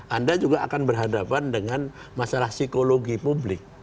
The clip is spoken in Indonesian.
anda juga akan berhadapan dengan masalah psikologi publik